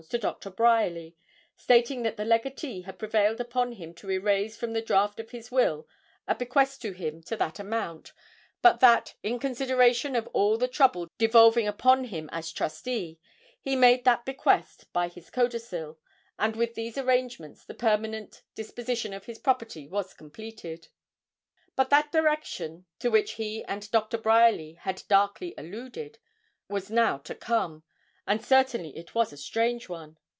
to Dr. Bryerly, stating that the legatee had prevailed upon him to erase from the draft of his will a bequest to him to that amount, but that, in consideration of all the trouble devolving upon him as trustee, he made that bequest by his codicil; and with these arrangements the permanent disposition of his property was completed. But that direction to which he and Doctor Bryerly had darkly alluded, was now to come, and certainly it was a strange one.